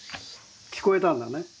聞こえたんだね。